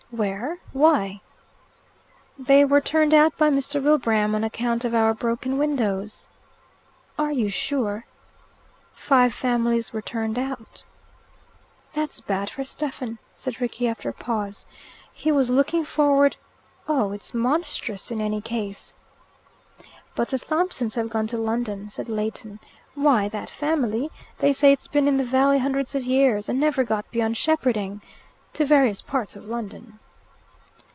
"Where? Why?" "They were turned out by Mr. Wilbraham on account of our broken windows." "Are you sure?" "Five families were turned out." "That's bad for Stephen," said Rickie, after a pause. "He was looking forward oh, it's monstrous in any case!" "But the Thompsons have gone to London," said Leighton. "Why, that family they say it's been in the valley hundreds of years, and never got beyond shepherding. To various parts of London."